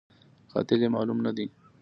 قاتل یې معلوم نه دی